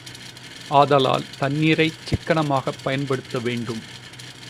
ஆதலால், தண்ணீரைச் சிக்கனமாகப் பயன்படுத்த வேண்டும்.